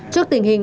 trước tình hình